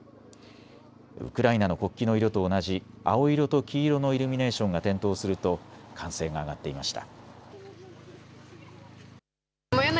ウクライナの国旗の色と同じ青色と黄色のイルミネーションが点灯すると歓声が上がっていました。